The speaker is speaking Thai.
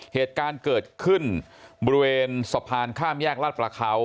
เหตุการณ์เกิดขึ้นบริเวณสะพานข้ามแยกลาดประเขา